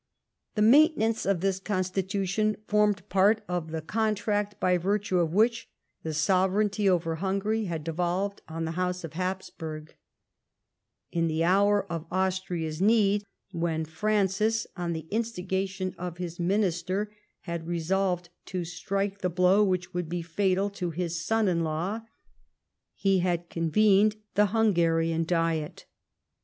The maintenance of this DECLINE AND FALL OF HIS SYSTEM. 175 Constitution formed part of the contract by virtue of wliich the sovereignty over Hungary had devolved on the House of Habsburg. In the hour of Austria's need, when Francis, on the instigation of his Minister, had resolved to strike the blow which should be fatal to his son in law, he had convened the Hungarian Diet.